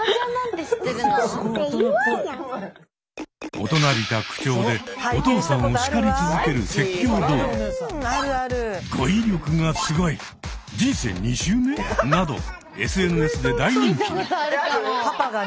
大人びた口調でお父さんをしかり続ける説教動画。などＳＮＳで大人気に。